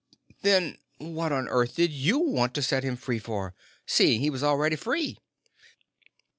"Then what on earth did you want to set him free for, seeing he was already free?"